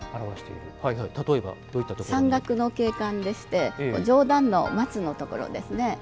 山岳の景観でして上段の松のところですね。